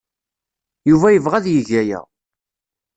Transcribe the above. Yuba yebɣa ad yeg aya.